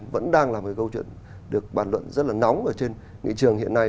vẫn đang là một câu chuyện được bàn luận rất là nóng ở trên nghị trường hiện nay